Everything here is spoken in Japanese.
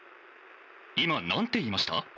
今なんて言いました？」。